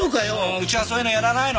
うちはそういうのやらないの。